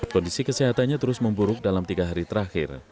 kondisi kesehatannya terus memburuk dalam tiga hari terakhir